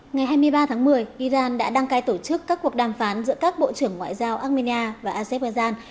ngày hai mươi ba tháng một mươi iran đã đăng cai tổ chức các cuộc đàm phán giữa các bộ trưởng ngoại giao armenia và azerbaijan